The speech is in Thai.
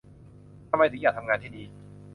ทำไมถึงอยากทำงานที่นี่